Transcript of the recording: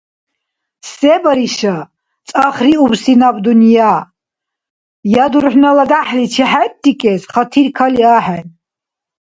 Се бариша цӀахриубси наб дунъя? Я дурхӀнала дяхӀличи хӀеррикӀес хатир кали axӀен.